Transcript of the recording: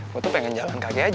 aku tuh pengen jalan kaki aja